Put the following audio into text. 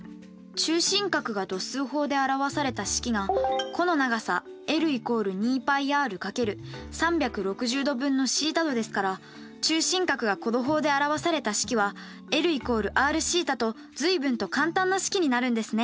中心角が度数法で表された式が弧の長さｌ＝２πｒ×３６０°分のθ°ですから中心角が弧度法で表された式はｌ＝ｒθと随分と簡単な式になるんですね。